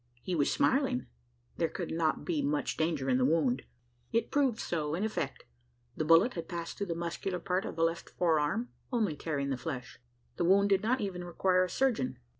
He was smiling: there could not be much danger in the wound? It proved so in effect. The bullet had passed through the muscular part of the left forearm only tearing the flesh. The wound did not even require a surgeon.